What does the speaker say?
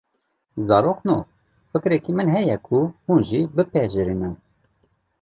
Zarokno, fikrekî min heye ku hûn jî pipejrînin